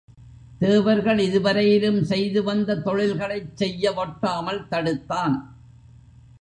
தேவர்கள் இதுவரையிலும் செய்து வந்த தொழில்களைச் செய்ய வொட்டாமல் தடுத்தான்.